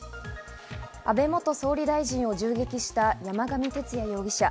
安倍元総理大臣を銃撃した山上徹也容疑者。